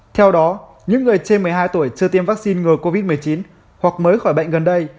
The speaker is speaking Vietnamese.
theo đó những người trên một mươi hai tuổi chưa tiêm vaccine ngừa covid một mươi chín hoặc mới khỏi bệnh gần đây